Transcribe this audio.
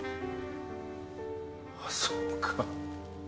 あそうか。